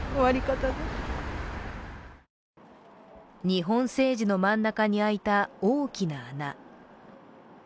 日本政治の真ん中に開いた大きな穴。